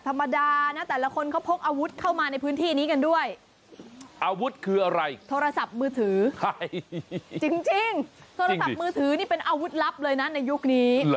จริงโทรศัพท์มือถือนี่เป็นอาวุธลับเลยนะในยุคนี้